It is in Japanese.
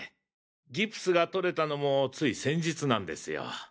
ギプスが取れたのもつい先日なんですよ。